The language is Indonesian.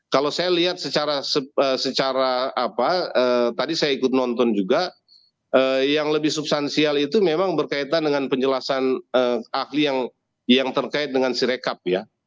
kalau saya lihat secara apa tadi saya ikut nonton juga yang lebih substansial itu memang berkaitan dengan penjelasan ahli yang terkait dengan sirekap ya